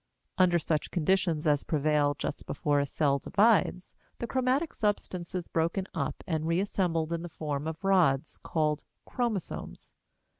Under such conditions as prevail just before a cell divides, the chromatic substance is broken up and reassembled in the form of rods called chromosomes.